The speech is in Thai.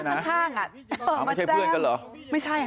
ข้างข้างอ่ะไม่ใช่เพื่อนกันเหรอไม่ใช่ค่ะ